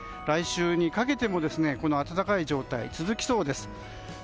来週にかけても暖かい状態が続きそうです。